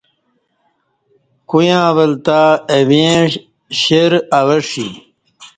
کویاں ول تہ اہ ویں شیر اوہ ݜی